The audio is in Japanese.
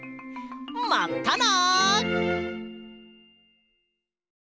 まったな！